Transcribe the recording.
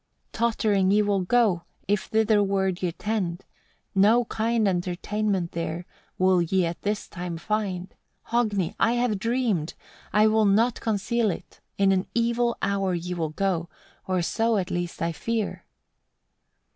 14. "Tottering ye will go, if thitherward ye tend. No kind entertainment there will ye at this time find. Hogni! I have dreamed, I will not conceal it: in an evil hour ye will go, or so at least I fear.